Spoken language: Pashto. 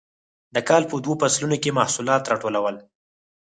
د کال په دوو فصلونو کې محصولات راټولول.